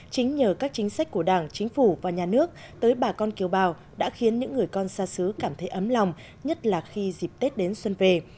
chính nhờ các chính sách của đảng chính phủ và nhà nước tới bà con kiều bào đã khiến những người con xa xứ cảm thấy ấm lòng nhất là khi dịp tết đến xuân về